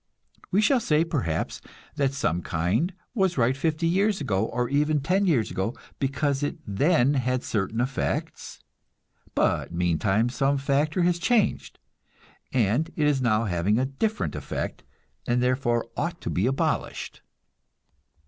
We shall say, perhaps, that some kind was right fifty years ago, or even ten years ago, because it then had certain effects; but meantime some factor has changed, and it is now having a different effect, and therefore ought to be abolished.